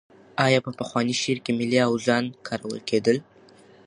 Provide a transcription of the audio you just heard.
آیا په پخواني شعر کې ملي اوزان کارول کېدل؟